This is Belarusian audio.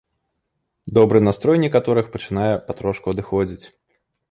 Добры настрой некаторых пачынае патрошку адыходзіць.